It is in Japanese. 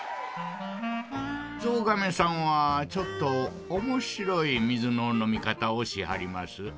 ゾウガメさんはちょっとおもしろいみずののみかたをしはります。